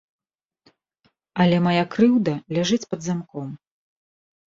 Але мая крыўда ляжыць пад замком.